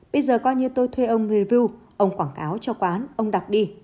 bây giờ coi như tôi thuê ông review ông quảng cáo cho quán ông đọc đi